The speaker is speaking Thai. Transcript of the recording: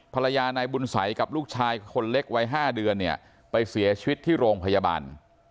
ภรรยานายบุญสัยกับลูกชายคนเล็กวัย๕เดือนเนี่ยไปเสียชีวิตที่โรงพยาบาล